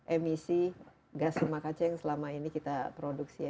emisi gas rumah kaca yang selama ini kita produksi ya